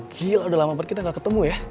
gil udah lama banget kita gak ketemu ya